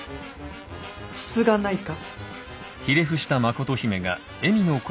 つつがないか？